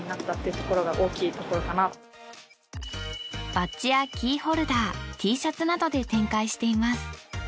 バッジやキーホルダーＴシャツなどで展開しています。